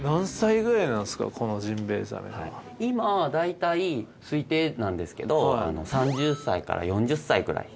今だいたい推定なんですけど３０歳から４０歳くらい。